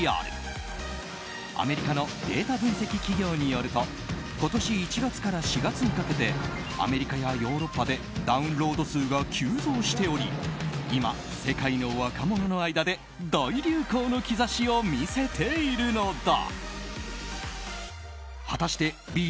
アメリカのデータ分析企業によると今年１月から４月にかけてアメリカやヨーロッパでダウンロード数が急増しており今、世界の若者の間で大流行の兆しを見せているのだ。